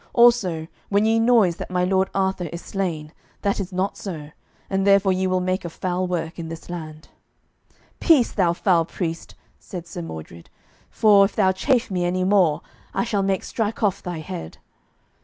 Also, when ye noise that my lord Arthur is slain, that is not so, and therefore ye will make a foul work in this land." "Peace, thou false priest," said Sir Mordred, "for, if thou chafe me any more, I shall make strike off thy head."